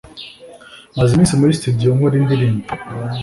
“Maze iminsi muri studio nkora indirimbo